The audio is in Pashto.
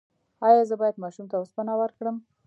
ایا زه باید ماشوم ته اوسپنه ورکړم؟